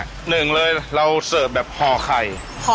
หนึ่งเลยเราเสิร์ฟแบบห่อไข่